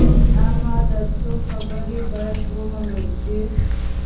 اما دا څو خبرې باید ومنو چې.